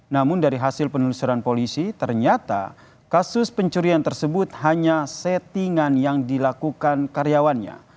namun dari hasil penelusuran polisi ternyata kasus pencurian tersebut hanya settingan yang dilakukan karyawannya